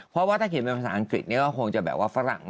เพราะว่าถ้าเขียนเป็นภาษาอังกฤษเนี่ยก็คงจะแบบว่าฝรั่ง